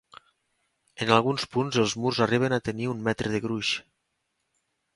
En alguns punts els murs arriben a tenir un metre de gruix.